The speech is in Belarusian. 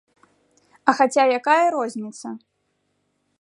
А хаця якая розніца!